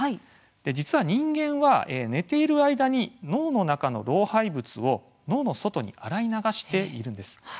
実は、人間は寝ている間に脳の中の老廃物を脳の外に洗い流しています。